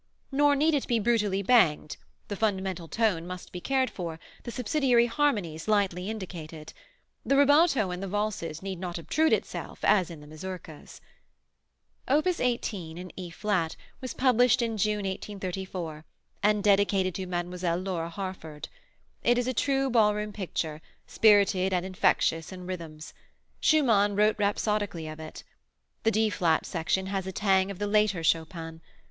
Nor need it be brutally banged; the fundamental tone must be cared for, the subsidiary harmonies lightly indicated. The rubato in the valses need not obtrude itself as in the mazurkas. Opus 18, in E flat, was published in June, 1834, and dedicated to Mile. Laura Harsford. It is a true ballroom picture, spirited and infectious in rhythms. Schumann wrote rhapsodically of it. The D flat section has a tang of the later Chopin.